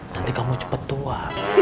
nanti kamu cepet tua